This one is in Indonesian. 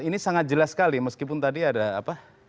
ini sangat jelas sekali meskipun tadi ada apa